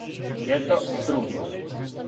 Једно с другим.